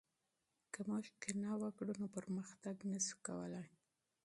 که موږ تعصب وکړو نو پرمختګ نه سو کولای.